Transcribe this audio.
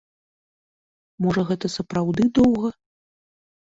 Можа, гэта сапраўды доўга?